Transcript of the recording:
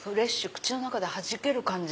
口の中ではじける感じ。